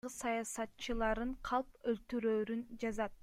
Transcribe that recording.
Мени ал жакка мылтык такаса да киргизишпейт.